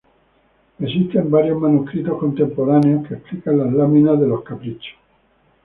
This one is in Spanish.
Existen varios manuscritos contemporáneos que explican las láminas de los Caprichos.